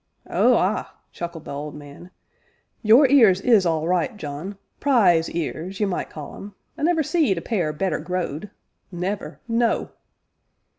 "Oh, ah!" chuckled the old man, "your ears is all right, John prize ears, ye might call 'em; I never seed a pair better grow'd never, no!"